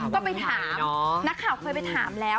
ก็ไปถามนักข่าวเคยไปถามแล้ว